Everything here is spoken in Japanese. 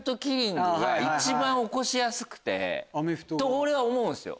俺は思うんですよ。